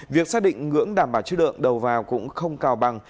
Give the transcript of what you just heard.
việc xác định ngưỡng đảm bảo chứa đợng đầu vào cũng không cao bằng